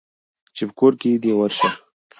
چې په کور دى ورشه.